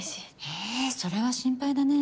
えぇそれは心配だね。